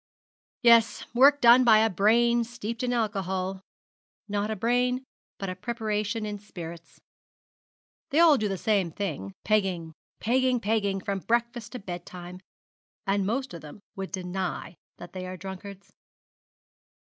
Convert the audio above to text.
Yes, work done by a brain steeped in alcohol not a brain, but a preparation in spirits. They all do the same thing pegging pegging pegging from breakfast to bed time; and most of them would deny that they are drunkards.'